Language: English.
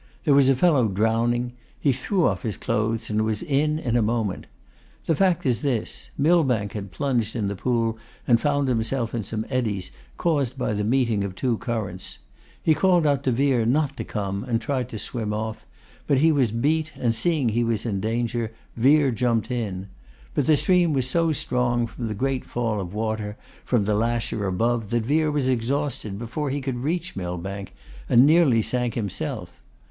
There was a fellow drowning. He threw off his clothes and was in in a moment. The fact is this, Millbank had plunged in the pool and found himself in some eddies, caused by the meeting of two currents. He called out to Vere not to come, and tried to swim off. But he was beat, and seeing he was in danger, Vere jumped in. But the stream was so strong, from the great fall of water from the lasher above, that Vere was exhausted before he could reach Millbank, and nearly sank himself.